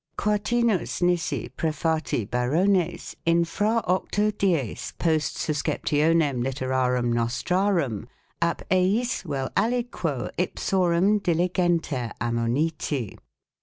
quatinus nisi prefati Barones infra octo dies 6 post susceptionem litterarum nos trarum, ab eis uel aliquo ipsorum diligenter ammoniti.